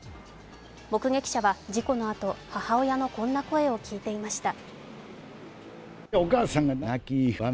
目撃者は事故のあと母親のこんな声を聞いていました。